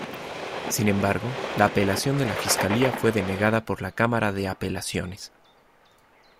Sin embargo, la apelación de la fiscalía fue denegada por la cámara de apelaciones.